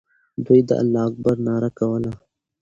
دوی د الله اکبر ناره کوله.